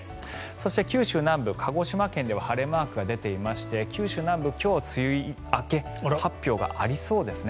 そして、九州南部、鹿児島県では晴れマークが出ていまして九州南部、今日梅雨明け発表がありそうですね。